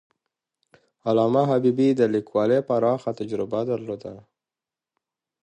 علامه حبيبي د لیکوالۍ پراخه تجربه درلوده.